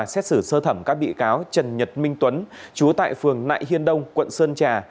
xét xử sơ thẩm các bị cáo trần nhật minh tuấn chú tại phường nại hiên đông quận sơn trà